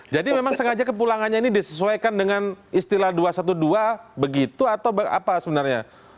jadi memang sengaja kepulangannya ini disesuaikan dengan istilah dua ratus dua belas begitu atau apa sebenarnya